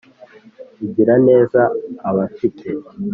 Igirira neza abafite